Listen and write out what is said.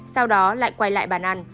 sau đó lại quay lại bàn ăn